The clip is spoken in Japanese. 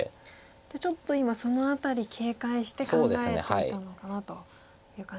じゃあちょっと今その辺り警戒して考えていたのかなという感じですか。